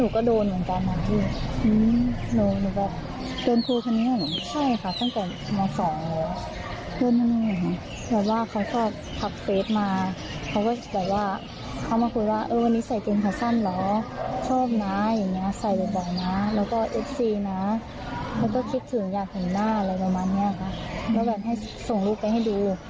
คิดถึงอยากเห็นหน้าอะไรประมาณนี้ค่ะแล้วก็ส่งลูกไปให้ดู